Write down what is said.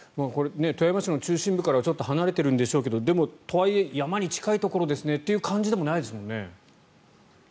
富山市の中心部からはちょっと離れているんでしょうけどでも、とはいえ山に近いところですねっていう感じでもないですよね。